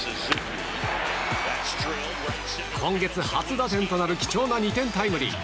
今月初打点となる貴重な２点タイムリー。